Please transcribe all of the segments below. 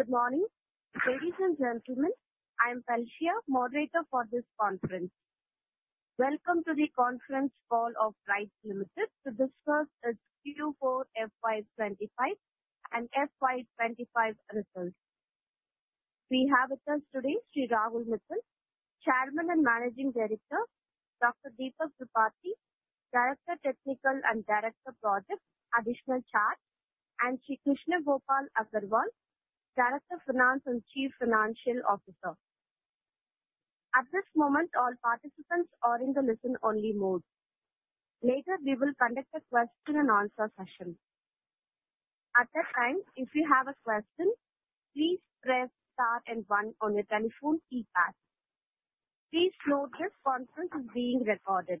Good morning, ladies and gentlemen. I'm Kelsia, moderator for this conference. Welcome to the conference call of RITES Limited to discuss its Q4 FY 2025 and FY 2025 results. We have with us today Sri Rahul Mittal, Chairman and Managing Director, Dr. Deepak Tripathi, Director Technical and Director (Projects) Additional Charge, and Sri Krishna Gopal Agarwal, Director Finance and Chief Financial Officer. At this moment, all participants are in the listen-only mode. Later, we will conduct a question-and-answer session. At that time, if you have a question, please press star and one on your telephone keypad. Please note this conference is being recorded.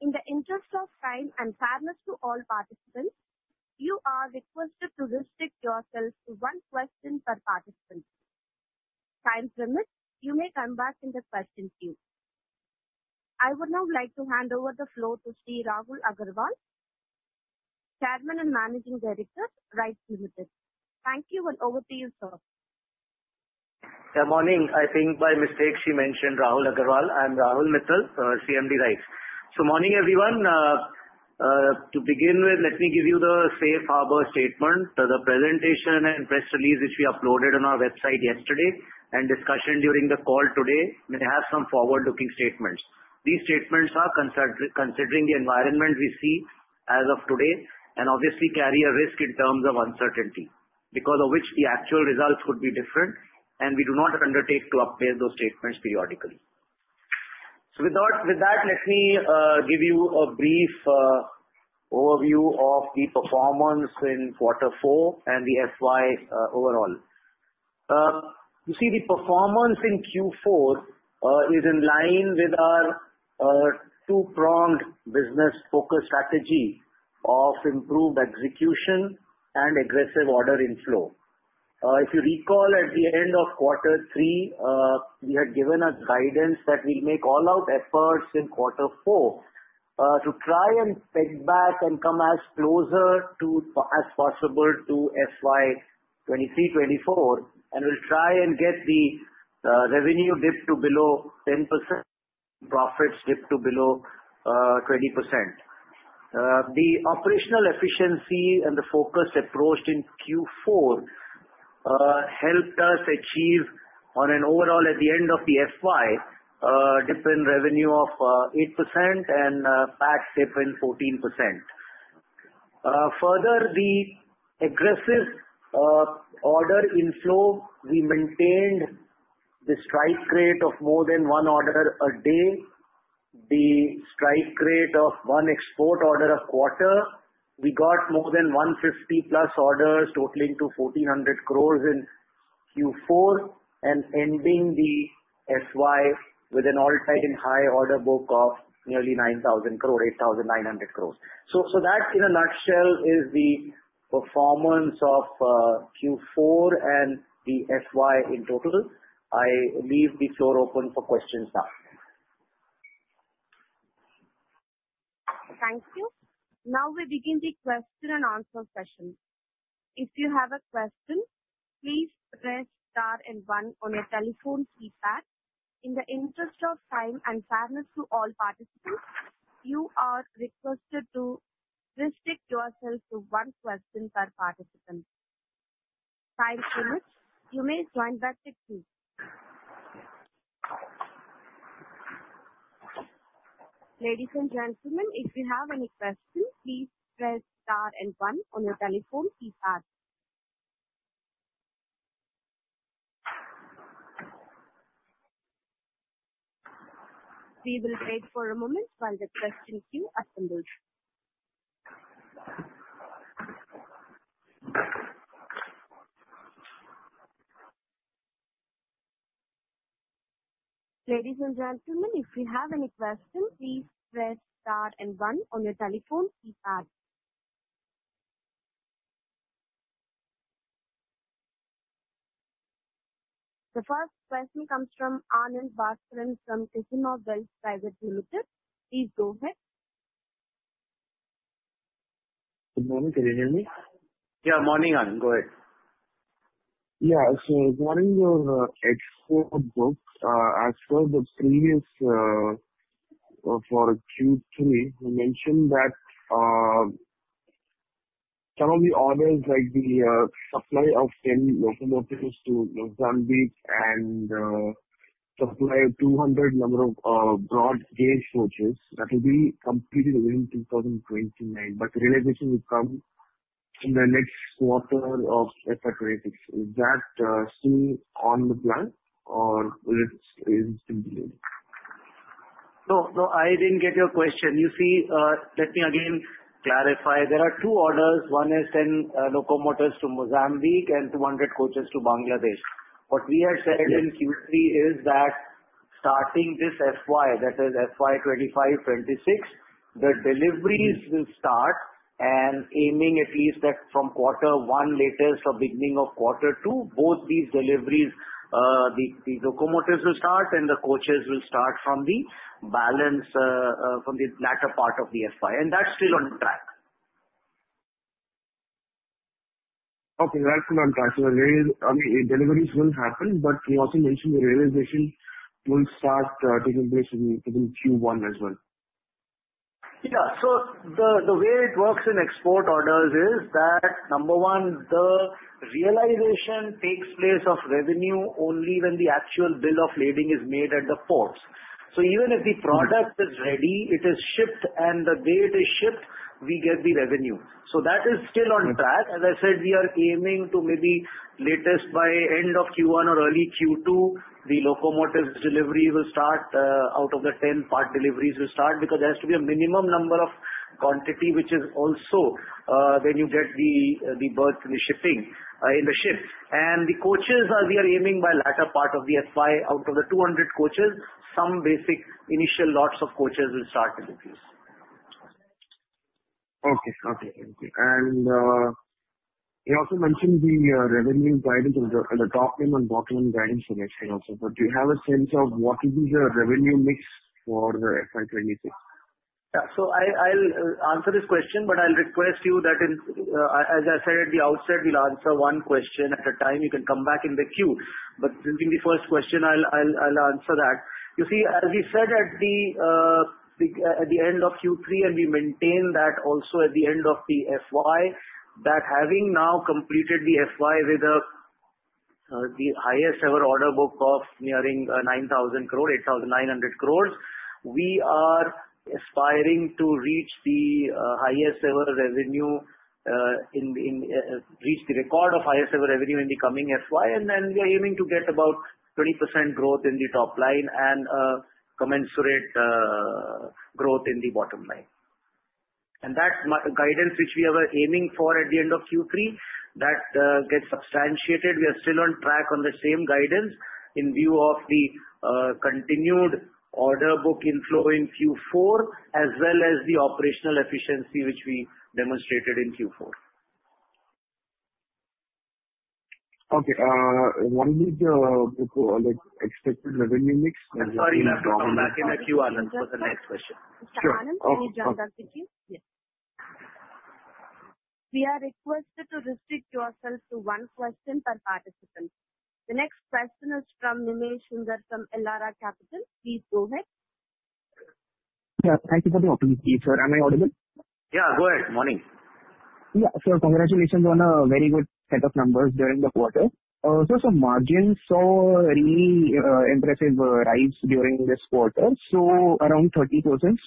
In the interest of time and fairness to all participants, you are requested to restrict yourself to one question per participant. Time limit, you may come back in the question queue. I would now like to hand over the floor to Shri Rahul Mittal, Chairman and Managing Director, RITES Limited. Thank you, and over to you, sir. Good morning. I think by mistake she mentioned Rahul Agarwal. I'm Rahul Mittal, CMD RITES. So morning, everyone. To begin with, let me give you the safe harbor statement. The presentation and press release which we uploaded on our website yesterday, and discussion during the call today, may have some forward-looking statements. These statements are considering the environment we see as of today, and obviously carry a risk in terms of uncertainty, because of which the actual results could be different, and we do not undertake to update those statements periodically. So with that, let me give you a brief overview of the performance in Q4 and the FY overall. You see, the performance in Q4 is in line with our two-pronged business-focused strategy of improved execution and aggressive order inflow. If you recall, at the end of Q3, we had given a guidance that we'll make all-out efforts in Q4 to try and peg back and come as closer as possible to FY 2023 to FY 2024, and we'll try and get the revenue dipped to below 10%, profits dipped to below 20%. The operational efficiency and the focused approach in Q4 helped us achieve, on an overall, at the end of the FY, dip in revenue of 8% and PAT dip in 14%. Further, the aggressive order inflow, we maintained the strike rate of more than one order a day, the strike rate of one export order a quarter. We got more than 150+ orders, totaling to 1,400 crores in Q4, and ending the FY with an all-time high order book of nearly 9,000 crore, 8,900 crores. So that, in a nutshell, is the performance of Q4 and the FY in total. I leave the floor open for questions now. Thank you. Now we begin the question-and-answer session. If you have a question, please press star and one on your telephone keypad. In the interest of time and fairness to all participants, you are requested to restrict yourself to one question per participant. Time limit, you may join back at 2:00. Ladies and gentlemen, if you have any questions, please press star and one on your telephone keypad. We will wait for a moment while the question queue assembles. Ladies and gentlemen, if you have any questions, please press star and one on your telephone keypad. The first question comes from Anand Bhaskaran from Kashima Wealth Private Limited. Please go ahead. Good morning. Can you hear me? Yeah. Morning, Anand. Go ahead. Yeah, so regarding your export books, as per the previous for Q3, you mentioned that some of the orders, like the supply of 10 locomotives to Mozambique and supply of 200 number of broad-gauge coaches, that will be completed within 2029, but the realization will come in the next quarter of FY 2026. Is that still on the plan, or is it still delayed? No, no. I didn't get your question. You see, let me again clarify. There are two orders. One is 10 locomotives to Mozambique and 200 coaches to Bangladesh. What we had said in Q3 is that starting this FY, that is FY 2025 to FY 2026, the deliveries will start, and aiming at least that from Q1 latest or beginning of Q2, both these deliveries, the locomotives will start, and the coaches will start from the balance, from the latter part of the FY. And that's still on track. Okay. That's still on track. So the deliveries will happen, but you also mentioned the realization will start taking place within Q1 as well. Yeah. So the way it works in export orders is that, number one, the realization takes place of revenue only when the actual Bill of Lading is made at the ports. So even if the product is ready, it is shipped, and the date is shipped, we get the revenue. So that is still on track. As I said, we are aiming to maybe latest by end of Q1 or early Q2, the locomotives delivery will start out of the 10 part deliveries will start, because there has to be a minimum number of quantity, which is also when you get the shipping in the ship. And the coaches, we are aiming by latter part of the FY, out of the 200 coaches, some basic initial lots of coaches will start to be used. Okay. Thank you. And you also mentioned the revenue guidance, the top line and bottom line guidance for next year also. But do you have a sense of what is the revenue mix for FY 2026? Yeah. So I'll answer this question, but I'll request you that, as I said at the outset, we'll answer one question at a time. You can come back in the queue. But using the first question, I'll answer that. You see, as we said at the end of Q3, and we maintain that also at the end of the FY, that having now completed the FY with the highest-ever order book of nearing 9,000 crore, 8,900 crores, we are aspiring to reach the highest-ever revenue, reach the record of highest-ever revenue in the coming FY, and then we are aiming to get about 20% growth in the top line and commensurate growth in the bottom line. And that guidance, which we are aiming for at the end of Q3, that gets substantiated. We are still on track on the same guidance in view of the continued order book inflow in Q4, as well as the operational efficiency, which we demonstrated in Q4. Okay. One big expected revenue mix and. Sorry, you have to come back in the queue, Anand, for the next question. Sure. Anand, can you jump back in queue? Yes. We are requested to restrict yourselves to one question per participant. The next question is from Nimesh Sundar from Elara Capital. Please go ahead. Yeah. Thank you for the opportunity, sir. Am I audible? Yeah. Go ahead. Morning. Yeah. So congratulations on a very good set of numbers during the quarter. So some margins saw a really impressive rise during this quarter, so around 30%.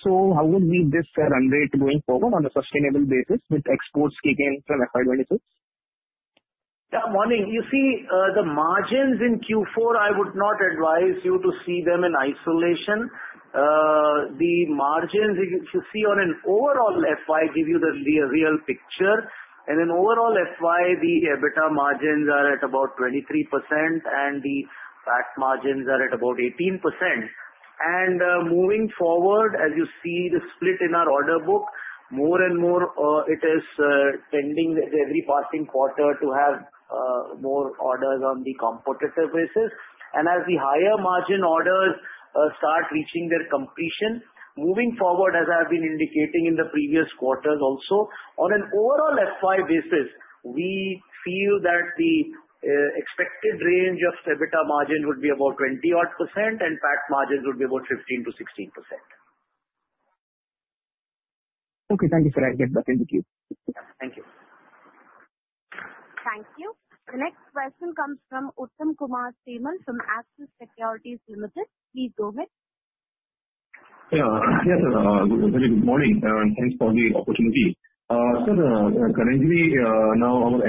So how will we meet this run rate going forward on a sustainable basis with exports kicking in from FY 2026? Yeah. Morning. You see, the margins in Q4. I would not advise you to see them in isolation. The margins, if you see on an overall FY, give you the real picture. In an overall FY, the EBITDA margins are at about 23%, and the PAT margins are at about 18%. Moving forward, as you see the split in our order book, more and more it is tending every passing quarter to have more orders on the competitive basis. As the higher margin orders start reaching their completion, moving forward, as I have been indicating in the previous quarters also, on an overall FY basis, we feel that the expected range of EBITDA margin would be about 20-odd %, and PAT margins would be about 15% to 16%. Okay. Thank you for that. Get back in the queue. Thank you. Thank you. The next question comes from Uttam Kumar Srimal from Axis Securities Limited. Please go ahead. Yeah. Yes, sir. Very good morning. Thanks for the opportunity. Sir, currently, now our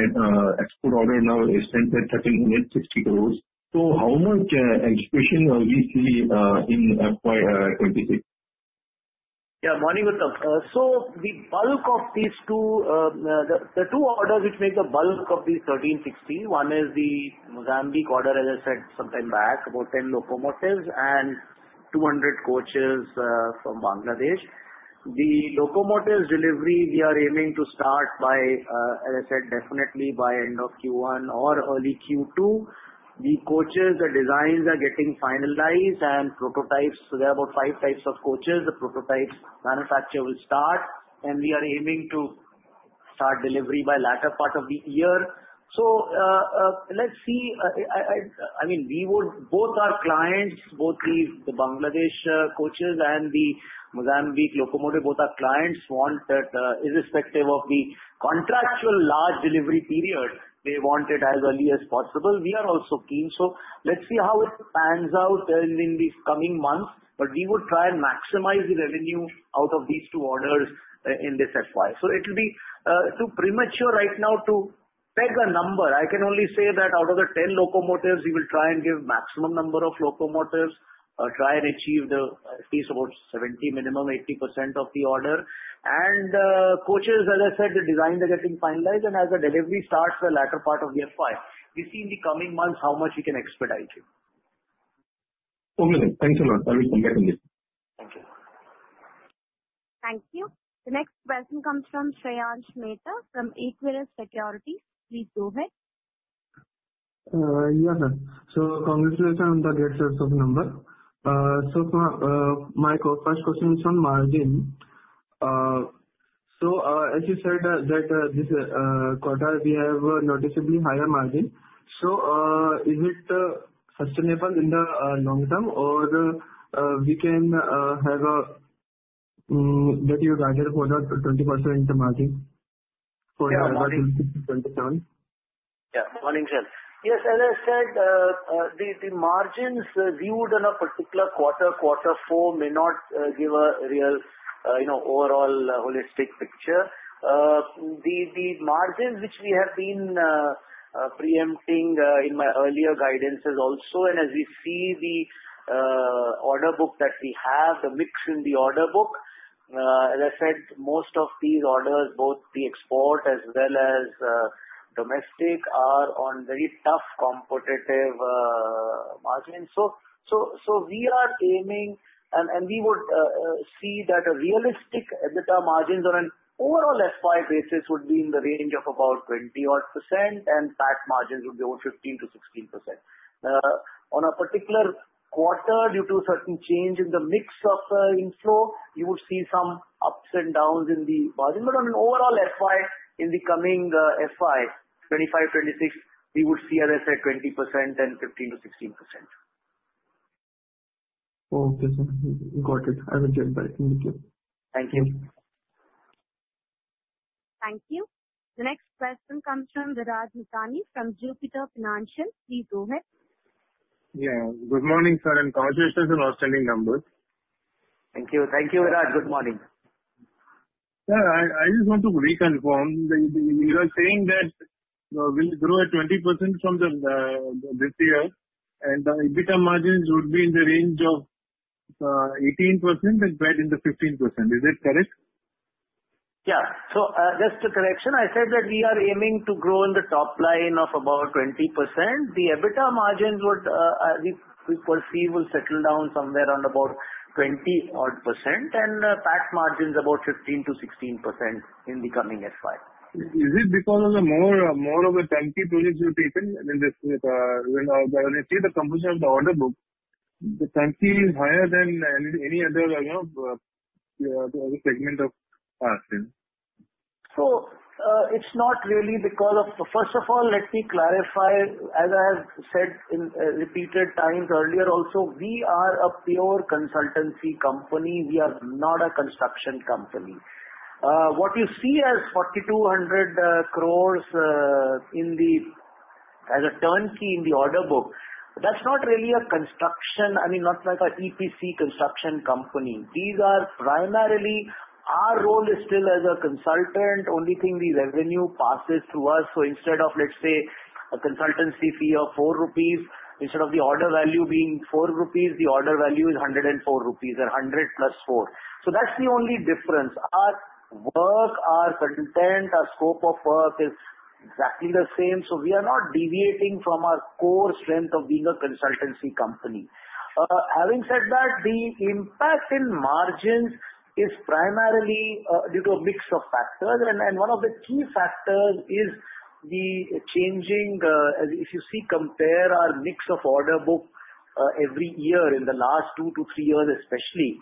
export order now is centered at 1,360 crores. So, how much expectation will we see in FY 2026? Yeah. Morning, Uttam. So the bulk of these two, the two orders which make the bulk of these 1,360, one is the Mozambique order, as I said some time back, about 10 locomotives and 200 coaches from Bangladesh. The locomotives' delivery, we are aiming to start by, as I said, definitely by end of Q1 or early Q2. The coaches, the designs are getting finalized, and prototypes, so there are about five types of coaches. The prototypes' manufacture will start, and we are aiming to start delivery by latter part of the year. So let's see. I mean, both our clients, both the Bangladesh coaches and the Mozambique locomotive, both our clients want that, irrespective of the contractual large delivery period, they want it as early as possible. We are also keen. So let's see how it pans out in these coming months, but we would try and maximize the revenue out of these two orders in this FY. So it will be too premature right now to peg a number. I can only say that out of the 10 locomotives, we will try and give maximum number of locomotives, try and achieve at least about 70%, minimum 80% of the order. And coaches, as I said, the designs are getting finalized, and as the delivery starts for latter part of the FY, we see in the coming months how much we can expedite it. Okay. Thanks a lot. I will come back in the queue. Thank you. Thank you. The next question comes from Shreyans Mehta from Equirus Securities. Please go ahead. Yes, sir. So congratulations on the great set of numbers. So my first question is on margin. So as you said, this quarter, we have noticeably higher margin. So is it sustainable in the long term, or can we have a better budget for that 20% margin for 2027? Yeah. Morning, sir. Yes. As I said, the margins viewed on a particular quarter, Q4, may not give a real overall holistic picture. The margins which we have been preempting in my earlier guidances also, and as we see the order book that we have, the mix in the order book, as I said, most of these orders, both the export as well as domestic, are on very tough competitive margins. So we are aiming, and we would see that a realistic EBITDA margin on an overall FY basis would be in the range of about 20-odd%, and PAT margins would be about 15% to 16%. On a particular quarter, due to a certain change in the mix of inflow, you would see some ups and downs in the margin. But on an overall FY, in the coming FY 2025 to FY 2026, we would see, as I said, 20% and 15% to 16%. Okay. Got it. I will get back in the queue. Thank you. Thank you. The next question comes from Virat Bhutani from Jupiter Financial. Please go ahead. Yeah. Good morning, sir, and congratulations on outstanding numbers. Thank you. Thank you, Virat. Good morning. Sir, I just want to reconfirm that you are saying that we'll grow at 20% from this year, and EBITDA margins would be in the range of 18% and flat into 15%. Is that correct? Yeah. So, just a correction. I said that we are aiming to grow in the top line of about 20%. The EBITDA margins would, as we perceive, will settle down somewhere around about 20-odd%, and PAT margins about 15% to 16% in the coming FY. Is it because of more of a turnkey product you're taking? When I see the composition of the order book, the turnkey is higher than any other segment of. So it's not really because of, first of all, let me clarify, as I have said in repeated times earlier also, we are a pure consultancy company. We are not a construction company. What you see as 4,200 crores as a turnkey in the order book, that's not really a construction, I mean, not like an EPC construction company. These are primarily, our role is still as a consultant. Only thing, the revenue passes through us. So instead of, let's say, a consultancy fee of 4 rupees, instead of the order value being 4 rupees, the order value is 104 rupees, or 100 + 4. So that's the only difference. Our work, our content, our scope of work is exactly the same. So we are not deviating from our core strength of being a consultancy company. Having said that, the impact in margins is primarily due to a mix of factors, and one of the key factors is the changing, as you see, compare our mix of order book every year in the last two to three years, especially.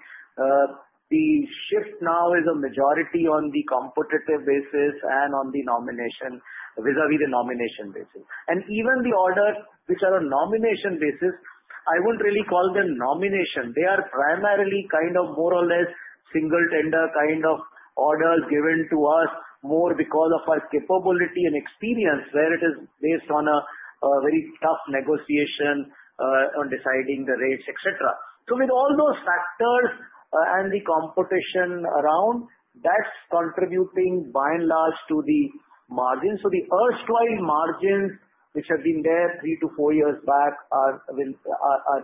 The shift now is a majority on the competitive basis and on the nomination vis-à-vis the nomination basis. And even the orders which are on nomination basis, I wouldn't really call them nomination. They are primarily kind of more or less single-tender kind of orders given to us more because of our capability and experience, where it is based on a very tough negotiation on deciding the rates, etc. So with all those factors and the competition around, that's contributing by and large to the margins. The erstwhile margins which have been there three to four years back are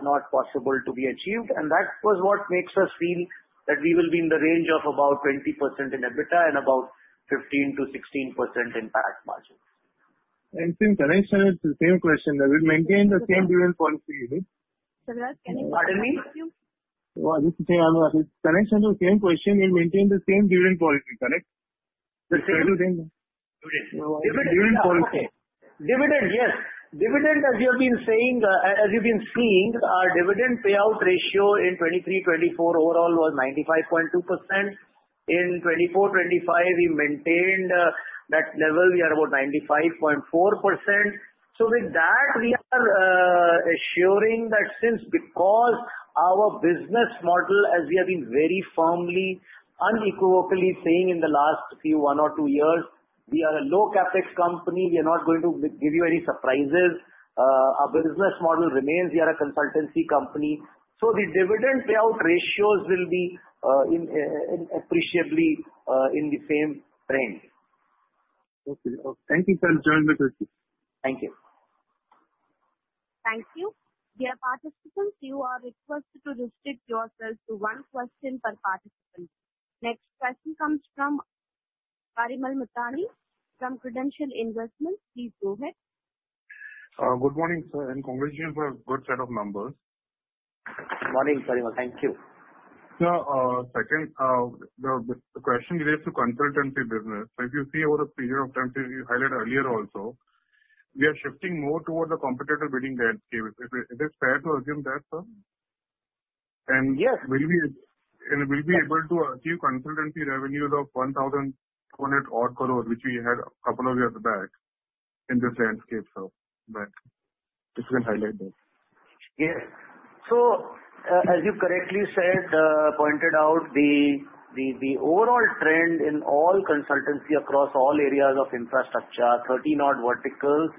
not possible to be achieved, and that was what makes us feel that we will be in the range of about 20% in EBITDA and about 15% to 16% in PAT margins. Since I mentioned the same question, we'll maintain the same dividend policy, is it? Sir, you're asking any question? Pardon me? I just want to say, I'm asking, can I answer the same question? We'll maintain the same dividend policy, correct? Dividend policy. Dividend, yes. Dividend, as you have been saying, as you've been seeing, our dividend payout ratio in 2023-2024 overall was 95.2%. In 2024-2025, we maintained that level. We are about 95.4%. So with that, we are assuring that since because our business model, as we have been very firmly, unequivocally saying in the last few one or two years, we are a low CapEx company. We are not going to give you any surprises. Our business model remains, we are a consultancy company. So the dividend payout ratios will be appreciably in the same range. Okay. Thank you, sir. Enjoying my questions. Thank you. Thank you. Dear participants, you are requested to restrict yourself to one question per participant. Next question comes from Parimal Mithani from Credential Investments. Please go ahead. Good morning, sir, and congratulations on a good set of numbers. Morning, Parimal. Thank you. Sir, second, the question relates to consultancy business. So if you see over the period of time you highlight earlier also, we are shifting more towards a competitor bidding landscape. Is it fair to assume that, sir? And will we be able to achieve consultancy revenues of 1,200 crore, which we had a couple of years back in this landscape, sir? But if you can highlight that. Yes. So as you correctly said, pointed out, the overall trend in all consultancy across all areas of infrastructure, 30-odd verticals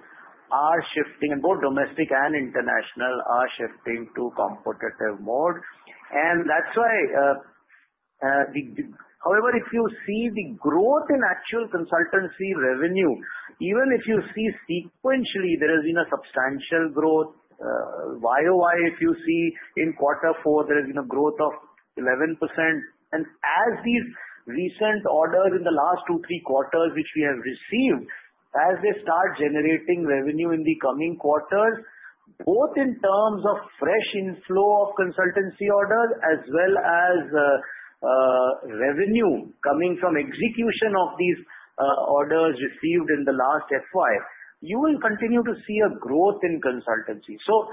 are shifting, and both domestic and international are shifting to competitive mode. And that's why, however, if you see the growth in actual consultancy revenue, even if you see sequentially, there has been a substantial growth. YOY, if you see in Q4, there has been a growth of 11%. And as these recent orders in the last two, three quarters which we have received, as they start generating revenue in the coming quarters, both in terms of fresh inflow of consultancy orders as well as revenue coming from execution of these orders received in the last FY, you will continue to see a growth in consultancy. So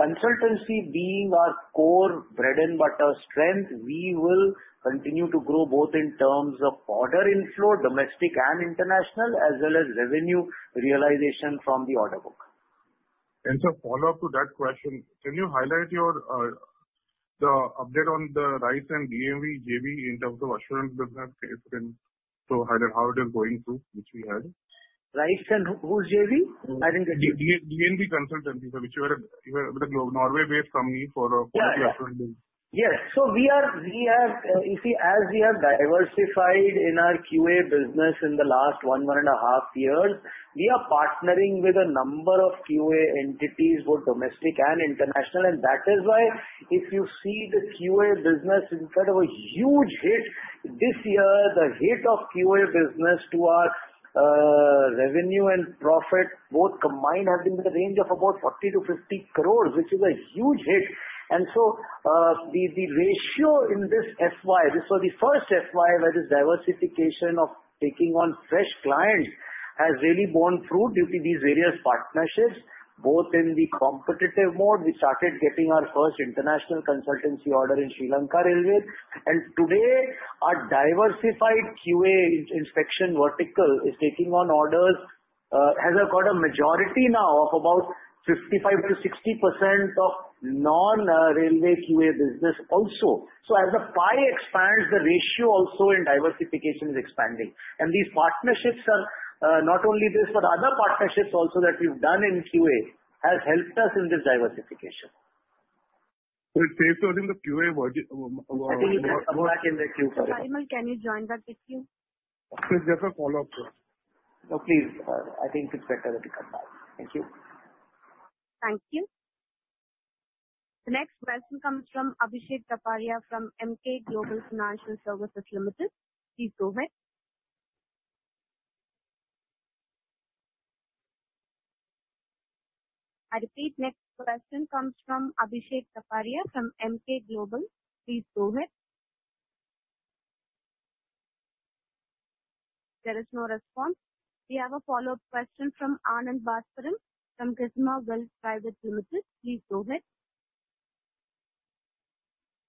consultancy being our core bread-and-butter strength, we will continue to grow both in terms of order inflow, domestic and international, as well as revenue realization from the order book. Sir, follow-up to that question, can you highlight the update on the RITES and DNV JV in terms of assurance business case to highlight how it is going through, which we had? RITES and who's JV? I didn't get you. DNV consultancy, which is a Norway-based company for quality assurance business. Yes. So we have, as we have diversified in our QA business in the last one, one and a half years, we are partnering with a number of QA entities, both domestic and international, and that is why if you see the QA business instead of a huge hit this year, the hit of QA business to our revenue and profit both combined have been in the range of about 40-50 crores, which is a huge hit. And so the ratio in this FY, this was the first FY where this diversification of taking on fresh clients has really borne fruit due to these various partnerships, both in the competitive mode. We started getting our first international consultancy order in Sri Lanka Railways, and today, our diversified QA inspection vertical is taking on orders, has got a majority now of about 55% to 60% of non-railway QA business also. So as the pie expands, the ratio also in diversification is expanding. And these partnerships, sir, not only this, but other partnerships also that we've done in QA have helped us in this diversification. So it stays within the QA budget. I think you can come back in the queue, Parimal. Parimal, can you join that with you? Just a follow-up, sir. No, please. I think it's better that you come back. Thank you. Thank you. The next question comes from Abhishek Kapadia from Emkay Global Financial Services Limited. Please go ahead. I repeat, next question comes from Abhishek Kapadia from Emkay Global. Please go ahead. There is no response. We have a follow-up question from Anand Bhaskaran from Kashima Wealth Private Limited.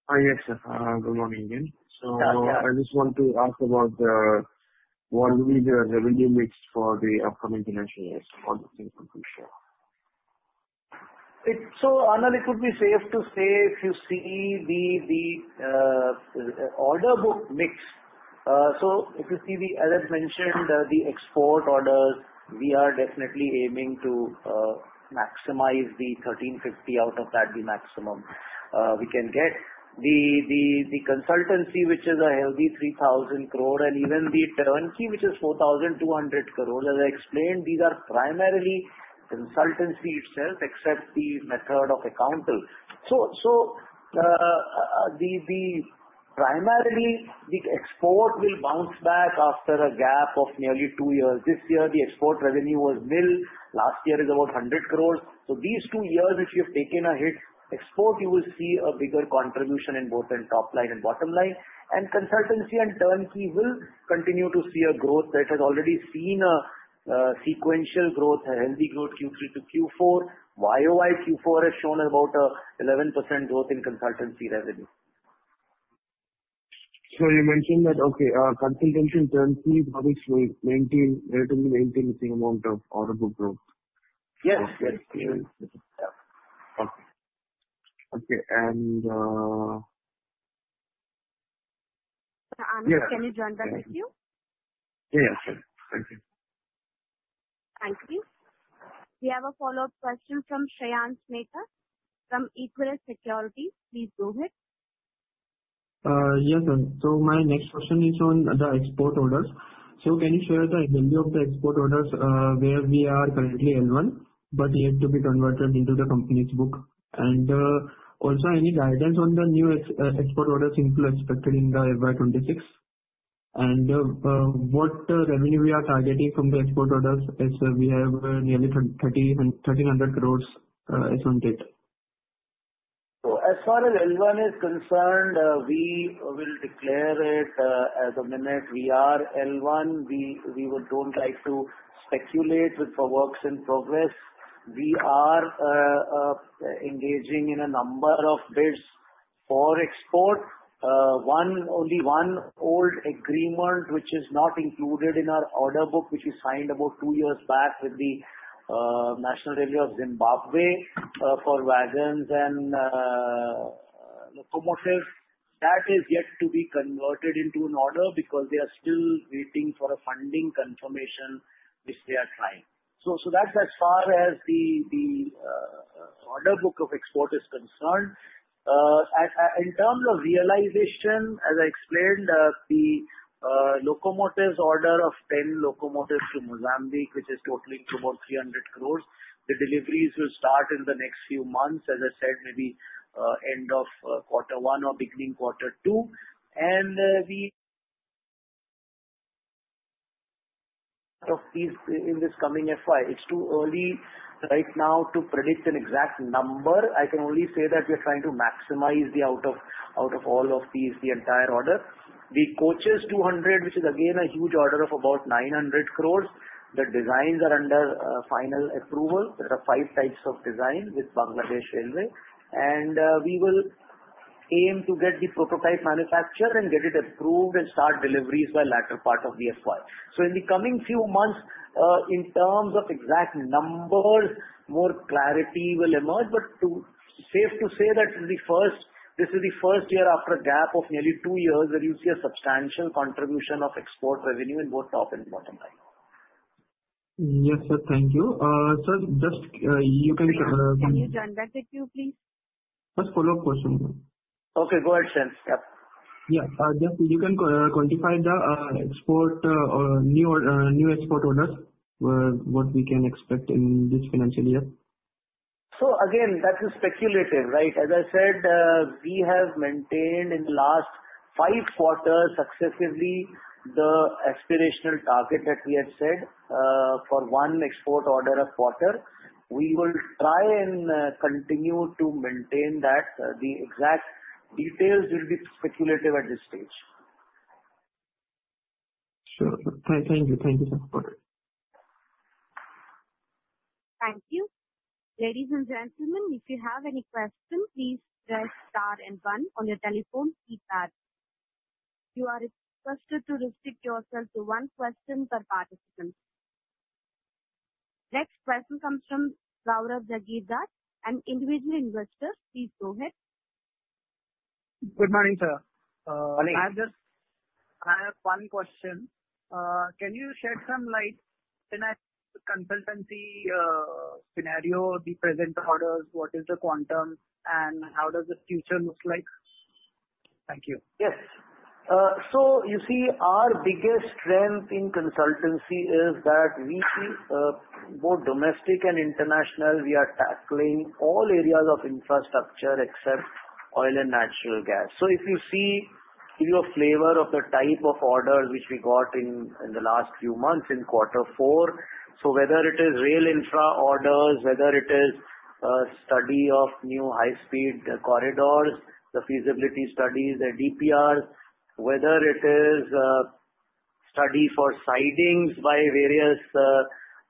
Please go ahead. Yes, sir. Good morning, again. So I just want to ask about what will be the revenue mix for the upcoming financial years, what is the conclusion? So, Anand, it would be safe to say if you see the order book mix, so if you see the, as I've mentioned, the export orders, we are definitely aiming to maximize the 1,350 out of that, the maximum we can get. The consultancy, which is a healthy 3,000 crore, and even the turnkey, which is 4,200 crore, as I explained, these are primarily consultancy itself, except the method of accounting. So primarily, the export will bounce back after a gap of nearly two years. This year, the export revenue was nil. Last year is about 100 crores. So these two years, if you've taken a hit export, you will see a bigger contribution in both in top line and bottom line. Consultancy and turnkey will continue to see a growth that has already seen a sequential growth, a healthy growth Q3 to Q4. YOY Q4 has shown about an 11% growth in consultancy revenue. So you mentioned that, okay, consultancy turnkey is going to maintain relatively the same amount of order book growth. Yes. Yes. Yeah. Okay. And. Sir, Anand, can you join back with you? Yes, sir. Thank you. Thank you. We have a follow-up question from Shreyansh Mehta from Equirus Securities. Please go ahead. Yes, sir. So my next question is on the export orders. So can you share the health of the export orders where we are currently L1, but yet to be converted into the company's book? And also, any guidance on the new export orders inflow expected in the FY 2026? And what revenue we are targeting from the export orders as we have nearly 1,300 crores is on it. As far as L1 is concerned, we will declare it in a minute. We are L1. We don't like to speculate with the works in progress. We are engaging in a number of bids for export. Only one old agreement, which is not included in our order book, which is signed about two years back with the National Railways of Zimbabwe for wagons and locomotives, that is yet to be converted into an order because they are still waiting for a funding confirmation, which they are trying. That's as far as the order book of export is concerned. In terms of realization, as I explained, the locomotives order of 10 locomotives to Mozambique, which is totaling to about 300 crores. The deliveries will start in the next few months, as I said, maybe end of Q1 or beginning Q2. And we. In this coming FY, it's too early right now to predict an exact number. I can only say that we are trying to maximize the output of all of these, the entire order. The 200 coaches, which is again a huge order of about 900 crores. The designs are under final approval. There are five types of design with Bangladesh Railway, and we will aim to get the prototype manufactured and get it approved and start deliveries by latter part of the FY, so in the coming few months, in terms of exact numbers, more clarity will emerge, but safe to say that this is the first year after a gap of nearly two years that you see a substantial contribution of export revenue in both top and bottom line. Yes, sir. Thank you. Sir, just you can. Thank you. Can you join back with you, please? Just follow-up question. Okay. Go ahead, Shreyansh. Yeah. Yeah. Just, can you quantify the export or new export orders, what we can expect in this financial year? So again, that's speculative, right? As I said, we have maintained in the last five quarters successively the aspirational target that we had said for one export order of quarter. We will try and continue to maintain that. The exact details will be speculative at this stage. Sure. Thank you. Thank you, sir. Thank you. Ladies and gentlemen, if you have any questions, please press star and one on your telephone keypad. You are requested to restrict yourself to one question per participant. Next question comes from Laura Zagiza, an individual investor. Please go ahead. Good morning, sir. Morning. I have just one question. Can you shed some light? In the consultancy scenario, the present orders, what is the quantum, and how does the future look like? Thank you. Yes, so you see, our biggest strength in consultancy is that we see both domestic and international, we are tackling all areas of infrastructure except oil and natural gas, so if you see, give you a flavor of the type of orders which we got in the last few months in Q4, so whether it is rail infra orders, whether it is a study of new high-speed corridors, the feasibility studies, the DPRs, whether it is a study for sidings by various,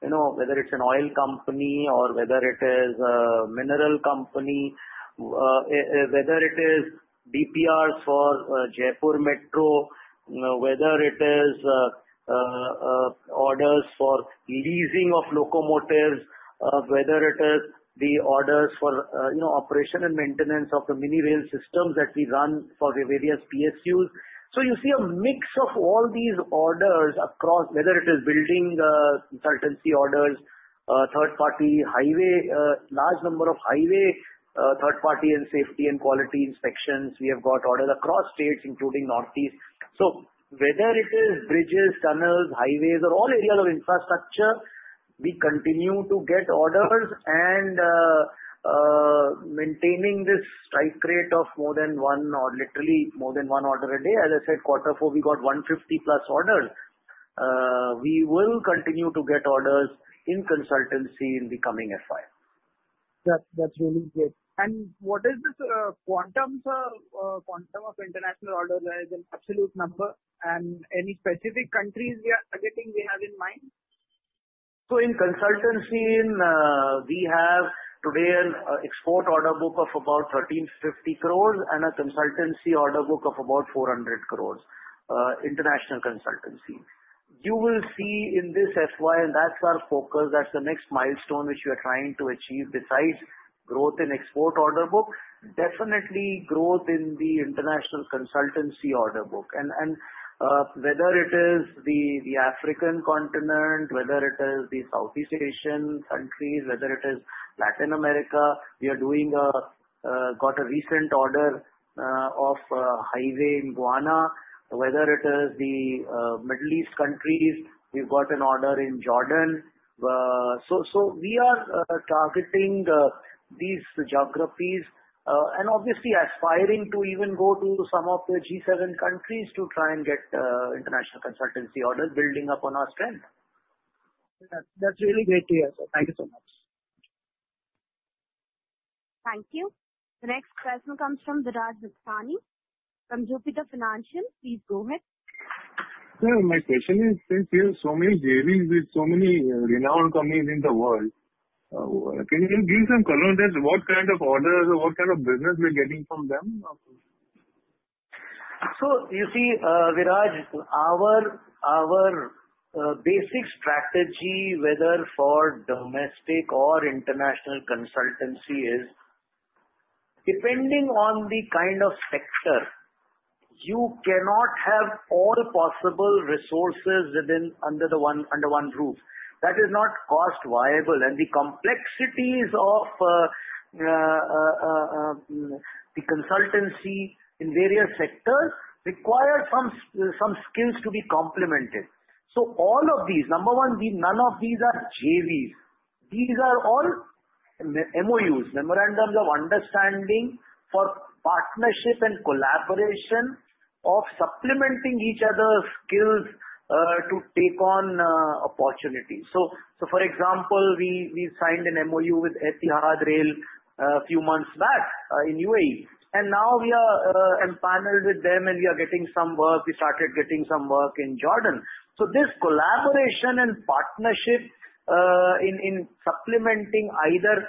whether it's an oil company or whether it is a mineral company, whether it is DPRs for Jaipur Metro, whether it is orders for leasing of locomotives, whether it is the orders for operation and maintenance of the mini rail systems that we run for the various PSUs. You see a mix of all these orders across, whether it is building consultancy orders, third-party highway, large number of highway third-party and safety and quality inspections. We have got orders across states, including Northeast. Whether it is bridges, tunnels, highways, or all areas of infrastructure, we continue to get orders and maintaining this strike rate of more than one or literally more than one order a day. As I said, Q4, we got 150+ orders. We will continue to get orders in consultancy in the coming FY. That's really good. And what is this quantum, sir? Quantum of international orders as an absolute number? And any specific countries we are targeting, we have in mind? In consultancy, we have today an export order book of about 1,350 crores and a consultancy order book of about 400 crores, international consultancy. You will see in this FY, and that's our focus, that's the next milestone which we are trying to achieve besides growth in export order book, definitely growth in the international consultancy order book. And whether it is the African continent, whether it is the Southeast Asian countries, whether it is Latin America, we have got a recent order of highway in Ghana. Whether it is the Middle East countries, we've got an order in Jordan. We are targeting these geographies and obviously aspiring to even go to some of the G7 countries to try and get international consultancy orders, building up on our strength. That's really great to hear, sir. Thank you so much. Thank you. The next question comes from Virat Bhutani. From Jupiter Financial, please go ahead. Sir, my question is, since we have so many JVs with so many renowned companies in the world, can you give some comment as to what kind of orders or what kind of business we're getting from them? So you see, Virat, our basic strategy, whether for domestic or international consultancy, is depending on the kind of sector. You cannot have all possible resources under one roof. That is not cost viable. And the complexities of the consultancy in various sectors require some skills to be complemented. So all of these, number one, none of these are JVs. These are all MOUs, Memorandums of Understanding, for partnership and collaboration of supplementing each other's skills to take on opportunities. So for example, we signed an MOU with Etihad Rail a few months back in UAE. And now we are in panel with them and we are getting some work. We started getting some work in Jordan. So this collaboration and partnership in supplementing either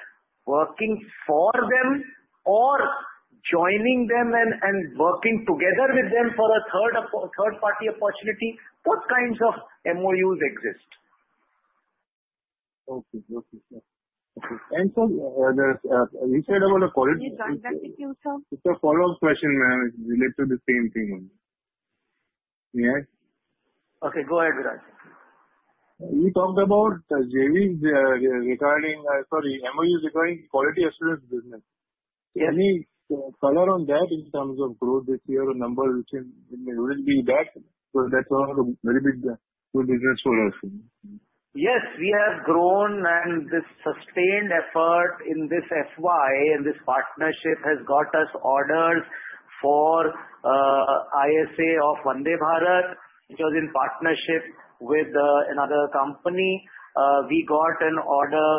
working for them or joining them and working together with them for a third-party opportunity, those kinds of MOUs exist. Okay. Okay, sir, and sir, you said about the quality. Please join back with you, sir. It's a follow-up question, ma'am. It relates to the same thing. Yeah? Okay. Go ahead, Virat. We talked about JVs regarding, sorry, MOUs regarding quality assurance business. Can you color on that in terms of growth this year or number which will be back? Because that's a very big business for us. Yes. We have grown and this sustained effort in this FY, in this partnership, has got us orders for ISA of Vande Bharat, which was in partnership with another company. We got an order.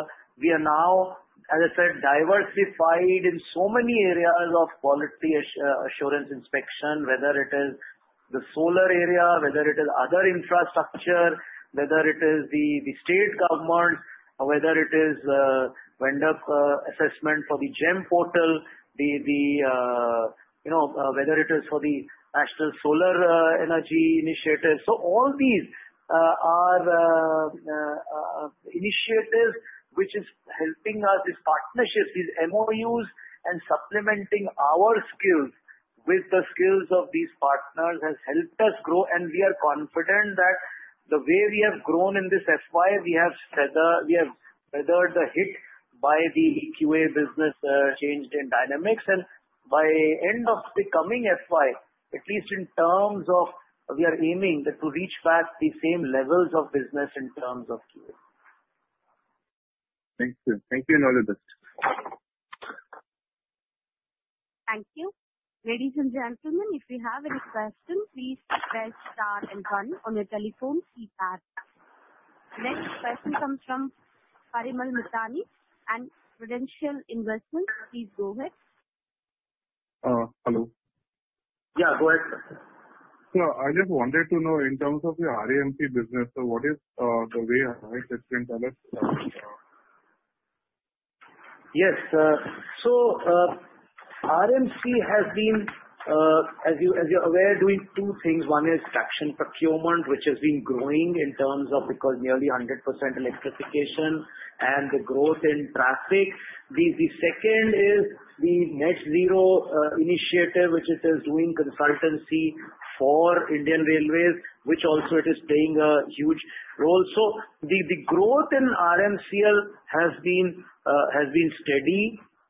We are now, as I said, diversified in so many areas of quality assurance inspection, whether it is the solar area, whether it is other infrastructure, whether it is the state government, whether it is vendor assessment for the GeM portal, whether it is for the National Solar Missiontive. So all these are initiatives which are helping us, these partnerships, these MOUs, and supplementing our skills with the skills of these partners has helped us grow. And we are confident that the way we have grown in this FY, we have weathered the hit by the QA business changed in dynamics. By the end of the coming FY, at least in terms of, we are aiming to reach back the same levels of business in terms of QA. Thank you. Thank you and all the best. Thank you. Ladies and gentlemen, if you have any questions, please press star and one on your telephone keypad. Next question comes from Parimal Mithani and Credential Investments. Please go ahead. Hello. Yeah. Go ahead, sir. I just wanted to know in terms of your REMCL business, so what is the way that you can tell us? Yes. So REMCL has been, as you're aware, doing two things. One is traction procurement, which has been growing in terms of because nearly 100% electrification and the growth in traffic. The second is the net zero initiative, which it is doing consultancy for Indian Railways, which also it is playing a huge role. So the growth in REMCL has been steady.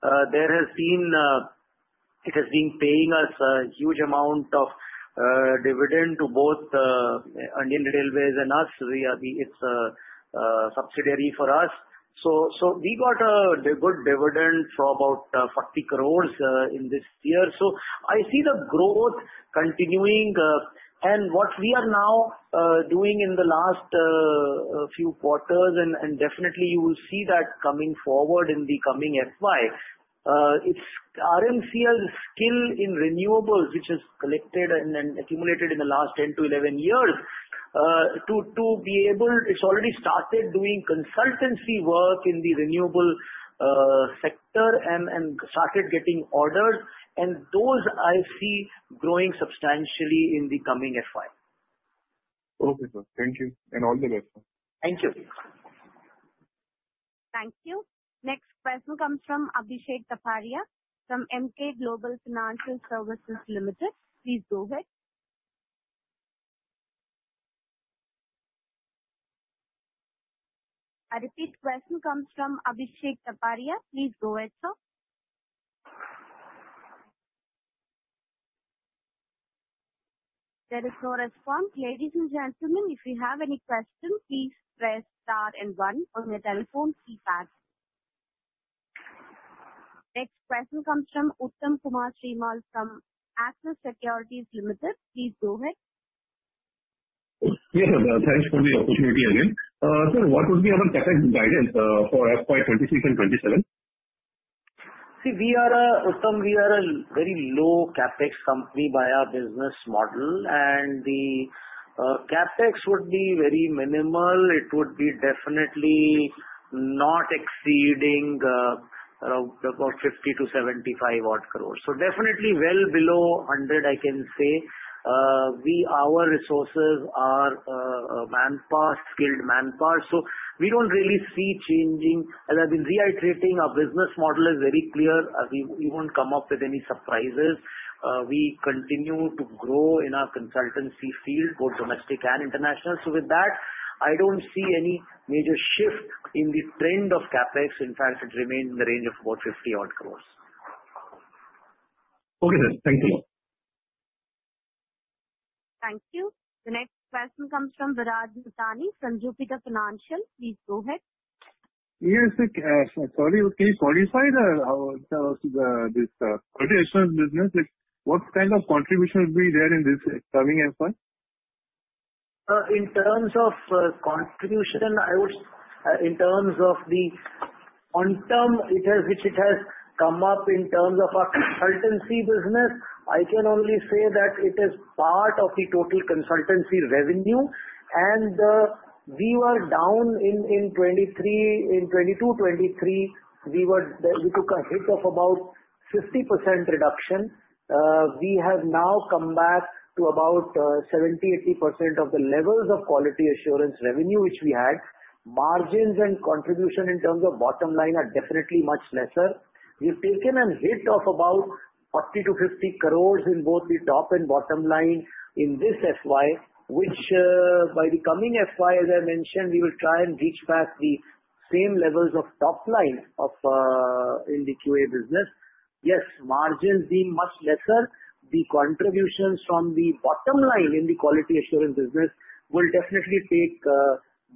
It has been paying us a huge amount of dividend to both Indian Railways and us. It's a subsidiary for us. So we got a good dividend for about 40 crores in this year. So I see the growth continuing. And what we are now doing in the last few quarters, and definitely you will see that coming forward in the coming FY, it's REMCL's skill in renewables, which has collected and accumulated in the last 10 to 11 years, to be able it's already started doing consultancy work in the renewable sector and started getting orders. And those I see growing substantially in the coming FY. Okay, sir. Thank you. And all the best, sir. Thank you. Thank you. Next question comes from Abhishek Kapadia from Emkay Global Financial Services Limited. Please go ahead. A repeat question comes from Abhishek Kapadia. Please go ahead, sir. There is no response. Ladies and gentlemen, if you have any questions, please press star and one on your telephone keypad. Next question comes from Uttam Kumar Srimal from Axis Securities Limited. Please go ahead. Yes, sir. Thanks for the opportunity again. Sir, what would be our CapEx guidance for FY 2026 and FY 2027? See, we are, Uttam. We are a very low CapEx company by our business model. And the CapEx would be very minimal. It would be definitely not exceeding about 50 to 75-odd crores. So definitely well below 100 crores, I can say. Our resources are manpower, skilled manpower. So we don't really see changing. As I've been reiterating, our business model is very clear. We won't come up with any surprises. We continue to grow in our consultancy field, both domestic and international. So with that, I don't see any major shift in the trend of CapEx. In fact, it remained in the range of about 50-odd crores. Okay, sir. Thank you. Thank you. The next question comes from Virat Bhutani from Jupiter Financial. Please go ahead. Yes, sir. Sorry, can you qualify this QA business? What kind of contribution will be there in this coming FY? In terms of contribution, I would in terms of the quantum, which it has come up in terms of our consultancy business, I can only say that it is part of the total consultancy revenue, and we were down in 2022, 2023. We took a hit of about 50% reduction. We have now come back to about 70% to 80% of the levels of quality assurance revenue, which we had. Margins and contribution in terms of bottom line are definitely much lesser. We've taken a hit of about 40 to 50 in both the top and bottom line in this FY, which by the coming FY, as I mentioned, we will try and reach back the same levels of top line in the QA business. Yes, margins being much lesser, the contributions from the bottom line in the quality assurance business will definitely take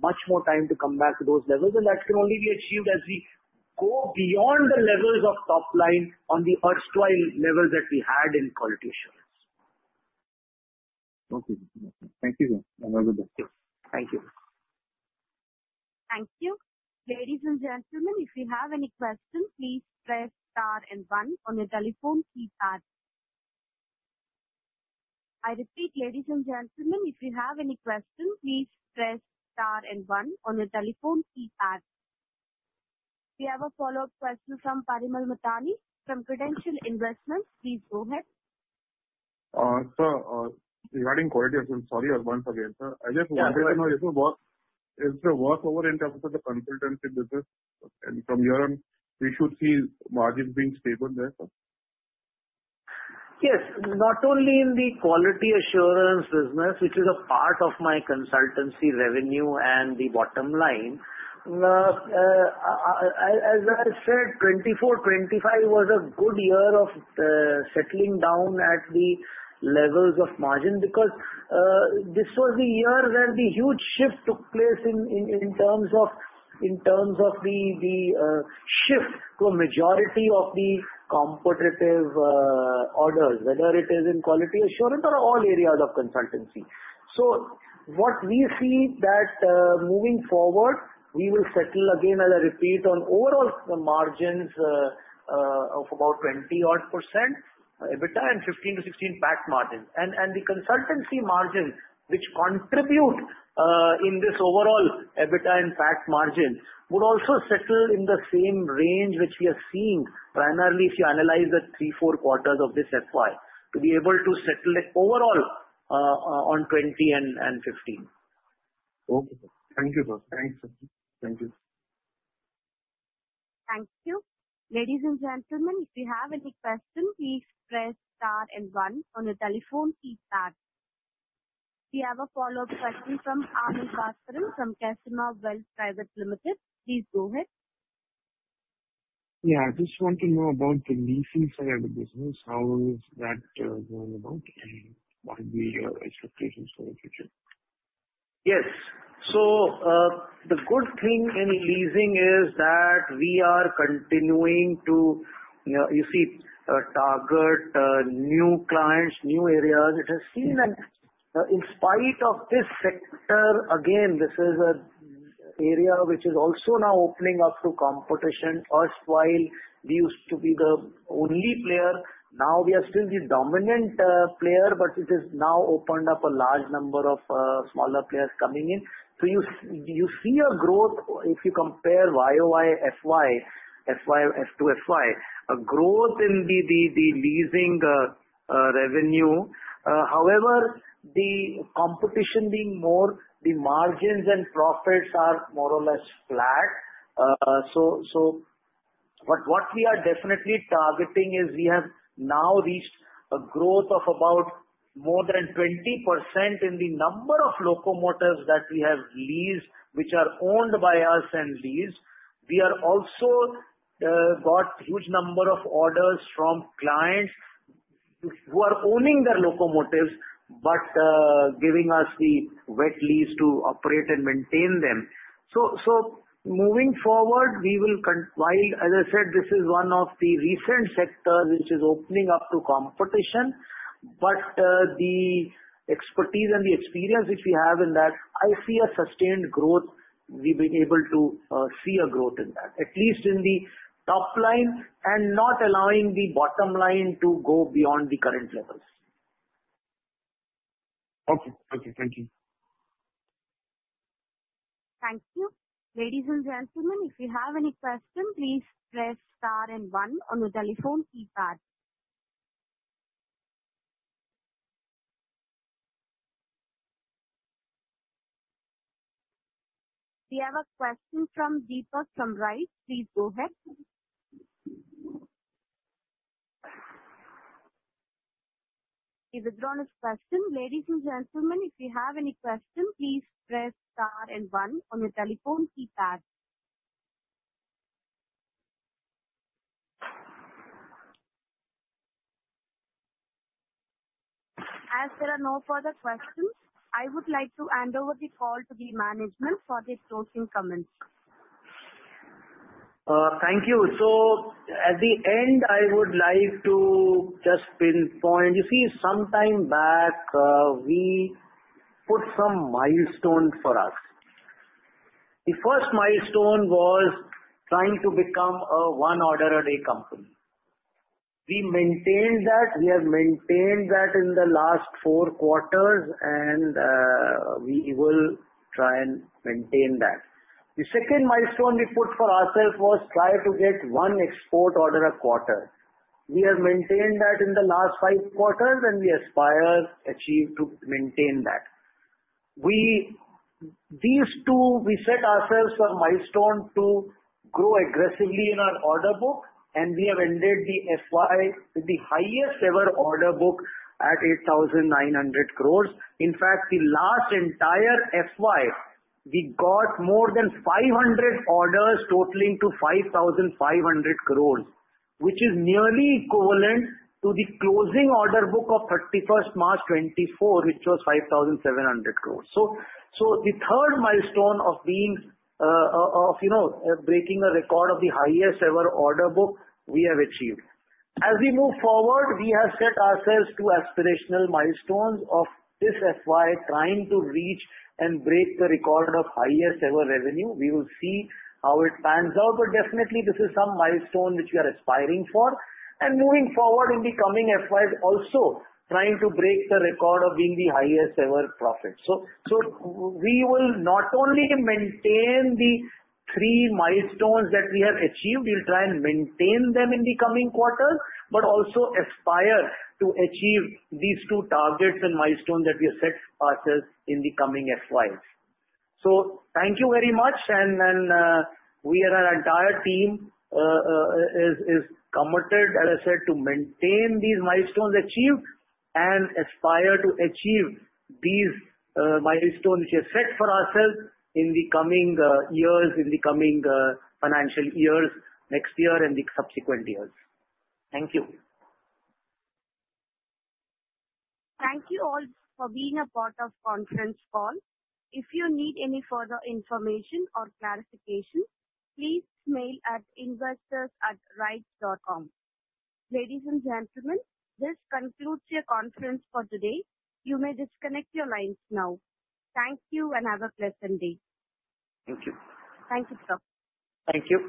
much more time to come back to those levels. And that can only be achieved as we go beyond the levels of top line on the erstwhile levels that we had in quality assurance. Okay. Thank you, sir. And all the best. Thank you. Thank you. Ladies and gentlemen, if you have any questions, please press star and one on your telephone keypad. I repeat, ladies and gentlemen, if you have any questions, please press star and one on your telephone keypad. We have a follow-up question from Parimal Mithani from Credential Investments. Please go ahead. Sir, regarding quality assurance, sorry, once again, sir, I just wanted to know, is the worst over in terms of the consultancy business, and from your end, we should see margins being stable there, sir? Yes. Not only in the quality assurance business, which is a part of my consultancy revenue and the bottom line. As I said, 2024, 2025 was a good year of settling down at the levels of margin because this was the year when the huge shift took place in terms of the shift to a majority of the competitive orders, whether it is in quality assurance or all areas of consultancy. So what we see that moving forward, we will settle again, as I repeat, on overall margins of about 20-odd% EBITDA and 15% to 16% PAT margins. And the consultancy margins, which contribute in this overall EBITDA and PAT margin, would also settle in the same range which we are seeing, primarily if you analyze the three, four quarters of this FY, to be able to settle overall on 20% and 15%. Okay. Thank you, sir. Thank you. Thank you. Ladies and gentlemen, if you have any questions, please press star and one on your telephone keypad. We have a follow-up question from Anand Bhaskaran from Kashima Wealth Private Limited. Please go ahead. Yeah. I just want to know about the leasing side of the business, how is that going about, and what are the expectations for the future? Yes. So the good thing in leasing is that we are continuing to, you see, target new clients, new areas. It has seen an increase in spite of this sector, again, this is an area which is also now opening up to competition. First, while we used to be the only player, now we are still the dominant player, but it has now opened up a large number of smaller players coming in. So you see a growth if you compare YOY, FY 2022, FY 2023, FY 2024 in the leasing revenue. However, the competition being more, the margins and profits are more or less flat. So what we are definitely targeting is we have now reached a growth of about more than 20% in the number of locomotives that we have leased, which are owned by us and leased. We have also got a huge number of orders from clients who are owning their locomotives but giving us the wet lease to operate and maintain them. So moving forward, we will, as I said, this is one of the recent sectors which is opening up to competition. But the expertise and the experience which we have in that, I see a sustained growth. We've been able to see a growth in that, at least in the top line and not allowing the bottom line to go beyond the current levels. Okay. Okay. Thank you. Thank you. Ladies and gentlemen, if you have any questions, please press star and one on your telephone keypad. We have a question from Deepak from RITES. Please go ahead. He's withdrawn his question. Ladies and gentlemen, if you have any questions, please press star and one on your telephone keypad. As there are no further questions, I would like to hand over the call to the management for their closing comments. Thank you. So at the end, I would like to just pinpoint, you see, some time back, we put some milestones for us. The first milestone was trying to become a one-order-a-day company. We maintained that. We have maintained that in the last four quarters, and we will try and maintain that. The second milestone we put for ourselves was try to get one export order a quarter. We have maintained that in the last five quarters, and we aspire to achieve to maintain that. These two, we set ourselves a milestone to grow aggressively in our order book, and we have ended the FY with the highest-ever order book at 8,900 crores. In fact, the last entire FY, we got more than 500 orders totaling to 5,500 crores, which is nearly equivalent to the closing order book of 31st March 2024, which was 5,700 crores. So the third milestone of breaking a record of the highest-ever order book we have achieved. As we move forward, we have set ourselves two aspirational milestones of this FY, trying to reach and break the record of highest-ever revenue. We will see how it pans out, but definitely, this is some milestone which we are aspiring for. And moving forward in the coming FY, also trying to break the record of being the highest-ever profit. So we will not only maintain the three milestones that we have achieved, we'll try and maintain them in the coming quarters, but also aspire to achieve these two targets and milestones that we have set ourselves in the coming FY. So thank you very much. And then our entire team is committed, as I said, to maintain these milestones achieved and aspire to achieve these milestones which we have set for ourselves in the coming years, in the coming financial years, next year, and the subsequent years. Thank you. Thank you all for being a part of the conference call. If you need any further information or clarification, please mail at investors@rites.com. Ladies and gentlemen, this concludes your conference for today. You may disconnect your lines now. Thank you and have a pleasant day. Thank you. Thank you, sir. Thank you.